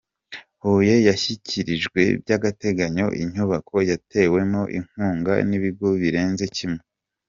Huye yashyikirijwe by’agateganyo inyubako yatewemo inkunga nibigo birenze kimwe